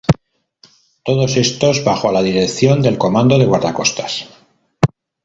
Todos estos bajo la dirección del Comando de Guardacostas.